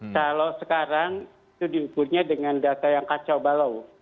kalau sekarang itu diukurnya dengan data yang kacau balau